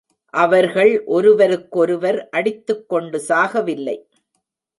அவர்கள் ஒருவருக்கொருவர் அடித்துக் கொண்டு சாகவில்லை.